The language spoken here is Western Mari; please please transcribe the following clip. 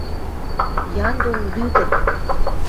Яндул лӱдӹн.